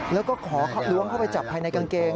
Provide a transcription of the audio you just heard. แล้วก็ขอล้วงเข้าไปจับภายในกางเกง